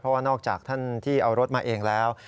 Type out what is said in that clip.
เพราะว่านอกจากท่านที่เอารถมาเองแล้ว